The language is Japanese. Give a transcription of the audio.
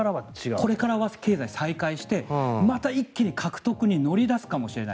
これからは経済再開してまた一気に獲得に乗り出すかもしれない。